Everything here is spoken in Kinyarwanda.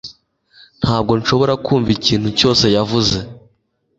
Ntabwo nshobora kumva ikintu cyose yavuze